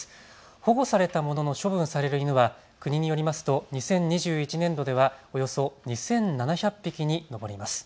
保護されたものの処分される犬は国によりますと２０２１年度ではおよそ２７００匹に上ります。